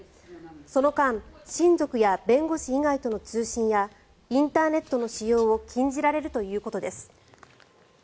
その間親族や弁護士以外との通信やインターネットの使用を禁じられるということです。